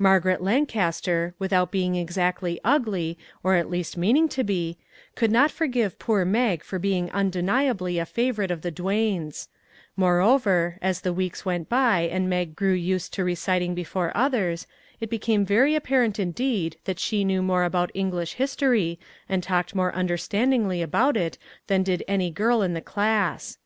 Margaret Lancaster, without being exactly ugly, or at least meaning to be, could not forgive poor Mag for being undeniably a favorite of the Duanes; more over, as the weeks went by and Mag grew used to reciting before others, it became very apparent indeed that she knew more about Eng lish history and talked more understandingly about it than did any girl in the class.